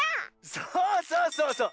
そうそうそうそう。